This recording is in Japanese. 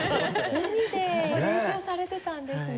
海で練習されてたんですね。